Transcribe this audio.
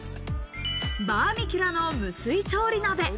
バーミキュラの無水調理鍋。